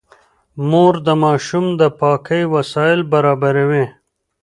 مور د ماشوم د پاکۍ وسايل برابروي.